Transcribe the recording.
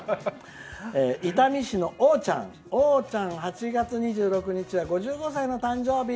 伊丹市のおうちゃん８月２６日は５５歳の誕生日。